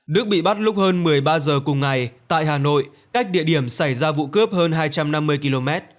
đức bị bắt lúc hơn một mươi ba h cùng ngày tại hà nội cách địa điểm xảy ra vụ cướp hơn hai trăm năm mươi km